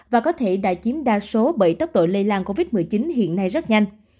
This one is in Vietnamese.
và có thể đã chiếm đa số bởi tốc độ lây lan covid một mươi chín hiện nay rất nhanh